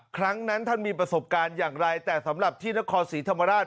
ครั้งนั้นท่านมีประสบการณ์อย่างไรแต่สำหรับที่นครศรีธรรมราช